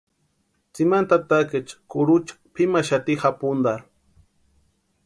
Tsimani tatakaecha kurucha pʼimaxati japuntarhu.